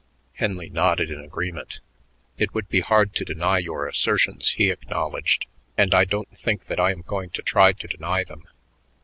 Henley nodded in agreement. "It would be hard to deny your assertions," he acknowledged, "and I don't think that I am going to try to deny them.